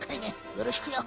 よろしくよ。